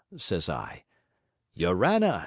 says I. "Yorana!"